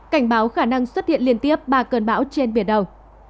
cảnh báo khả năng xuất hiện liên tiếp ba cơn bão trên biển đầu